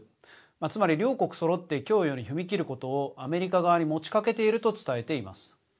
つまり両国そろって供与に踏み切ることをアメリカ側に持ちかけていると伝えています。